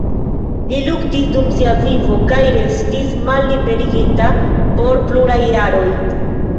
Li luktis dum sia vivo kaj restis malliberigita por pluraj jaroj.